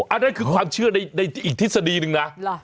อันนั้นคือความเชื่อในอีกทฤษฎีหนึ่งนะ